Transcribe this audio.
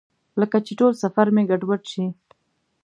لکه چې ټول سفر مې ګډوډ شي.